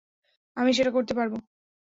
আমি সেটা করতে পারবো?